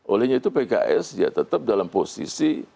olehnya itu pks tetap dalam posisi